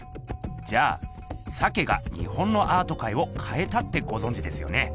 じゃあ鮭が日本のアートかいを変えたってごぞんじですよね？